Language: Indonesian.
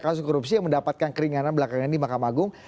kasus korupsi yang mendapatkan keringanan belakangan di mahkamah agung